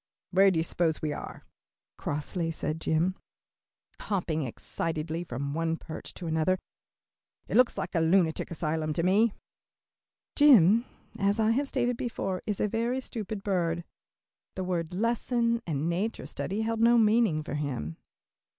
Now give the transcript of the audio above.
"Where do you suppose we are?" crossly said Jim, hopping excitedly from one perch to another, "it looks like a lunatic asylum to me." Jim, as I have stated before, is a very stupid bird. The words "lesson" and "nature study" held no meaning for him.